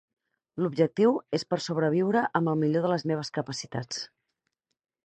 L'objectiu és per sobreviure amb el millor de les meves capacitats.